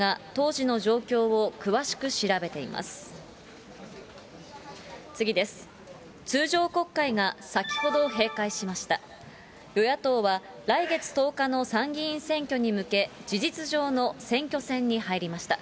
与野党は、来月１０日の参議院選挙に向け、事実上の選挙戦に入りました。